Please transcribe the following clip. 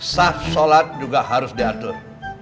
sah sholat juga harus diatur